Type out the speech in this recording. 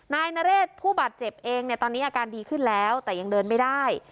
นายนเรศผู้บาดเจ็บเองเนี่ยตอนนี้อาการดีขึ้นแล้วแต่ยังเดินไม่ได้